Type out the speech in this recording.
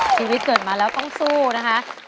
ชีวิตเกิดมาแล้วต้องสู้นะคะ